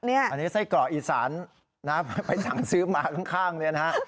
อันนี้ไส้กรอกอีสานไปสั่งซื้อมาข้างเนี่ยนะฮะ